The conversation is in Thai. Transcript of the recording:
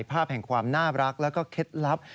ภาพแห่งความน่ารักแล้วก็เคล็ดลับ